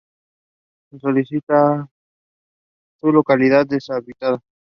Su localidad deshabitada.